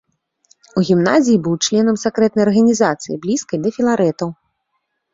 У гімназіі быў членам сакрэтнай арганізацыі блізкай да філарэтаў.